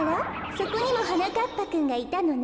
そこにもはなかっぱくんがいたのね。